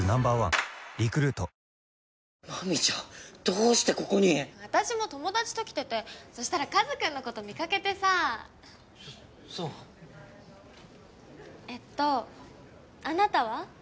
どうしてここに⁉私も友達と来ててそしたら和くんのこと見かけてさそそうえっとあなたは？